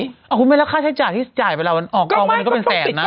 เอาคุณไปแล้วค่าใช้จ่ายที่จ่ายไปแล้วออกกล้องมันก็เป็นแสนนะ